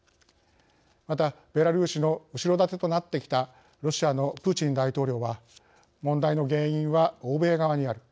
またベラルーシの後ろ盾となってきたロシアのプーチン大統領は問題の原因は欧米側にある。